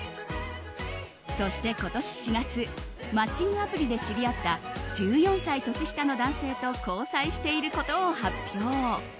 そして今年４月マッチングアプリで知り合った１４歳年下の男性と交際していることを発表。